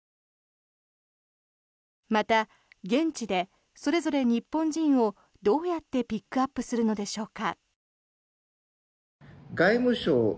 また、現地でそれぞれ日本人をどうやってピックアップするのでしょうか。